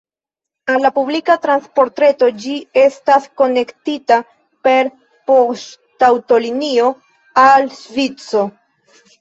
Al la publika transportreto ĝi estas konektita per poŝtaŭtolinio al Ŝvico.